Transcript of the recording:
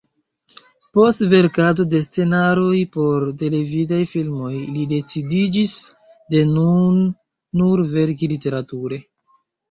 Post verkado de scenaroj por televidaj filmoj li decidiĝis de nun nur verki literature.